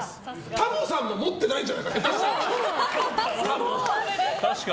タモさんも持ってないんじゃないかな